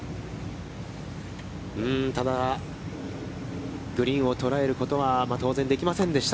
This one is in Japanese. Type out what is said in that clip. ただ、グリーンを捉えることは当然できませんでした。